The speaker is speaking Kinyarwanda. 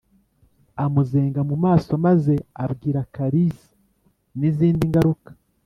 amuzenga mu maso maze abwira Karisa n’izindi ngaruka